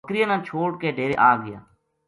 بکریاں نا چھوڈ کے ڈیرے آگیا